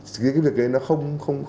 cái việc đấy nó không